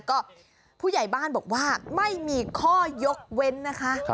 ก็ผู้ใหญ่บ้านบอกว่าไม่มีข้อยกเว้นนะคะ